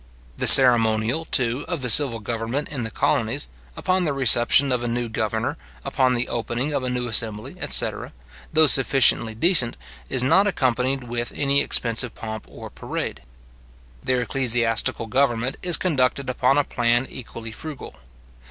The ceremonial, too, of the civil government in the colonies, upon the reception of a new governor, upon the opening of a new assembly, etc. though sufficiently decent, is not accompanied with any expensive pomp or parade. Their ecclesiastical government is conducted upon a plan equally frugal.